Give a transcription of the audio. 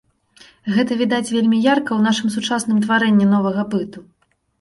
Гэта відаць вельмі ярка ў нашым сучасным тварэнні новага быту.